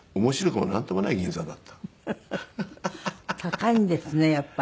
高いんですねやっぱり。